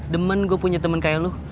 demon gue punya temen kayak lo